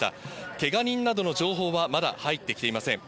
けが人などの情報はまだ入ってきていません。